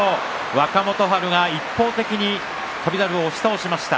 若元春が一方的に翔猿を押し倒しました。